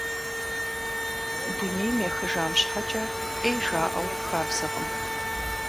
Дунейм ехыжам щхьэкӀэ Ӏей жаӀэу хабзэкъым.